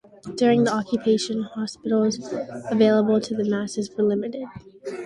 During the occupation, hospitals available to the masses were limited.